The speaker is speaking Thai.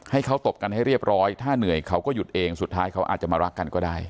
ให้เขาตบกันให้เรียบร้อยถ้าเหนื่อยเขาก็หยุดเองสุดท้ายเขาอาจจะมารักกันก็ได้